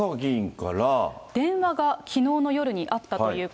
電話がきのうの夜にあったと支部長に。